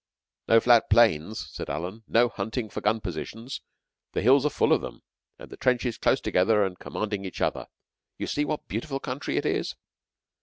"No flat plains," said Alan. "No hunting for gun positions the hills are full of them and the trenches close together and commanding each other. You see what a beautiful country it is."